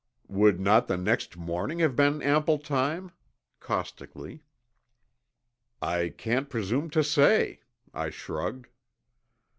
"Would not the next morning have been ample time?" caustically. "I can't presume to say," I shrugged.